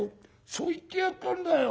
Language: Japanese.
そう言ってやったんだよ。